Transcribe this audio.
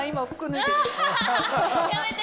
やめて！